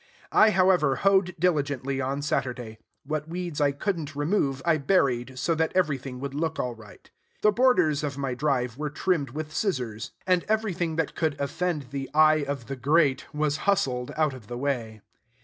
I, however, hoed diligently on Saturday: what weeds I could n't remove I buried, so that everything would look all right. The borders of my drive were trimmed with scissors; and everything that could offend the Eye of the Great was hustled out of the way.